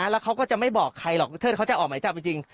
แล้วเขาก็จะไม่บอกใครหรอกเทิดเขาจะออกหมายจับจริง